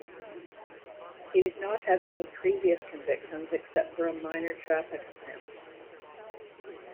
He did not have any previous convictions except for a minor traffic offence.